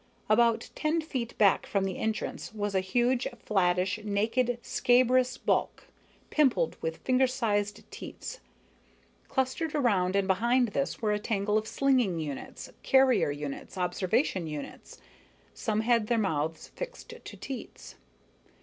About ten feet back from the entrance was a huge, flattish, naked, scabrous bulk, pimpled with finger sized teats. Clustered around and behind this were a tangle of slinging units, carrier units, observation units. Some had their mouths fixed to teats.